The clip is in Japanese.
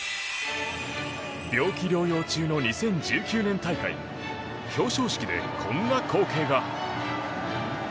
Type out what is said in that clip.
病気療養中の２０１９年大会表彰式でこんな光景が。